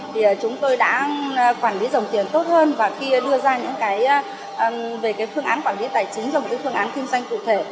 thì chúng tôi đã quản lý dòng tiền tốt hơn và khi đưa ra những cái về phương án quản lý tài chính và phương án kinh doanh cụ thể